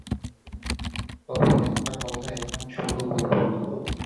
তবে একটা কথা এখানে শুধু বলব।